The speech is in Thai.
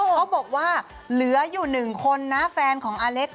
เขาบอกว่าเหลืออยู่๑คนนะแฟนของอาเล็ก